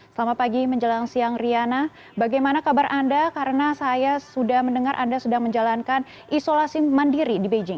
selamat pagi menjelang siang riana bagaimana kabar anda karena saya sudah mendengar anda sedang menjalankan isolasi mandiri di beijing